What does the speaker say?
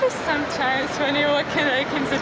ketika berjalan di waktu gelap